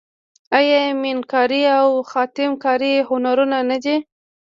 آیا میناکاري او خاتم کاري هنرونه نه دي؟